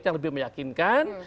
yang lebih meyakinkan